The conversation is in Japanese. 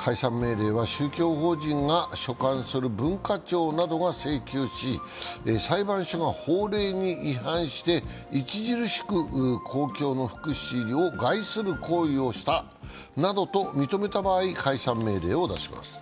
解散命令は、宗教法人が所管する文化庁などが請求し裁判所が、法令に違反して著しく公共の福祉を害する行為をしたなどと認めた場合解散命令を出します。